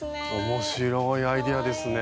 面白いアイデアですね。